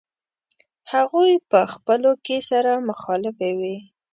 هغوی په خپلو کې سره مخالفې وې.